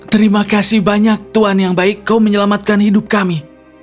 terima kasih banyak tuhan yang baik kau menyelamatkan hidup kami